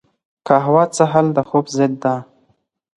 قهوه څښل د خوب ضد ده